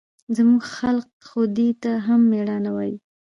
زموږ خلق خو دې ته هم مېړانه وايي.